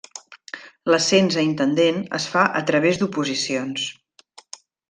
L'ascens a intendent es fa a través d'oposicions.